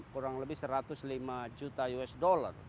kurang lebih satu ratus lima juta usd